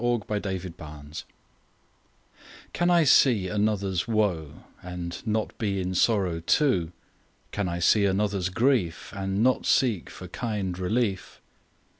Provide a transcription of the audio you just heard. ON ANOTHER'S SORROW Can I see another's woe, And not be in sorrow too? Can I see another's grief, And not seek for kind relief?